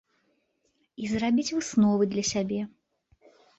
І зрабіць высновы для сябе.